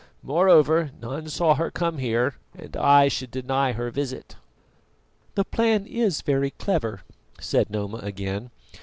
Moreover, none saw her come here, and I should deny her visit." "The plan is very clever," said Noma again.